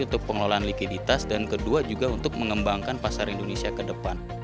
untuk pengelolaan likuiditas dan kedua juga untuk mengembangkan pasar indonesia ke depan